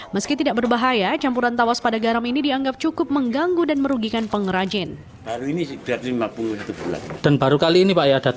meski tidak berbahaya campuran tawas pada garam ini dianggap cukup mengganggu dan merugikan pengrajin